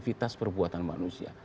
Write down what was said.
negatifitas perbuatan manusia